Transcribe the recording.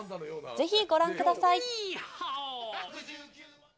ぜひご覧ください。